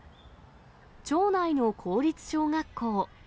町内の公立小学校。